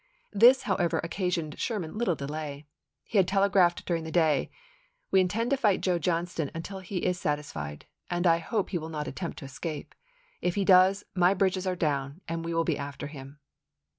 This, however, occasioned Sherman little delay. He had telegraphed during the day, c<SStee " We intend to fight Joe Johnston until he is satis S?thenwar! fied, and I hope he will not attempt to escape. If supple he does, my bridges are down, and we will be after p. 63.' him."